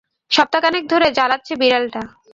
সপ্তাহখানেক ধরে জ্বালাচ্ছে বিড়ালটা।